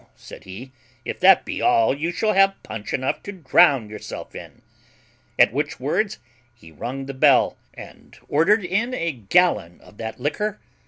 said he, if that be all you shall have punch enough to drown yourself in. At which words he rung the bell, and ordered in a gallon of that liquor.